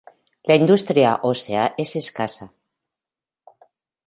La industria ósea es escasa.